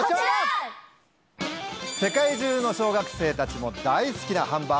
世界中の小学生たちも大好きなハンバーガー。